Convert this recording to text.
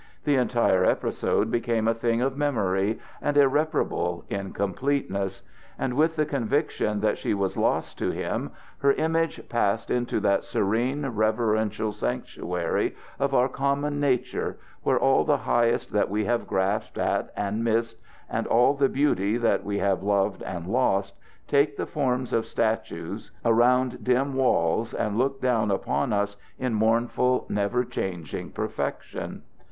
The entire episode became a thing of memory and irreparable incompleteness; and with the conviction that she was lost to him her image passed into that serene, reverential sanctuary of our common nature, where all the highest that we have grasped at and missed, and all the beauty that we have loved and lost, take the forms of statues around dim walls and look down upon us in mournful, never changing perfection.